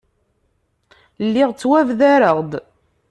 Lliɣ ttwabdareɣ-d.